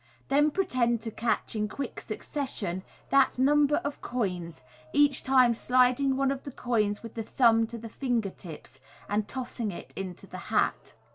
Then pretend to catch in quick suc cession that number of coins, each time sliding one of the coins with the thumb to the finger tips, and tossing it into the hat.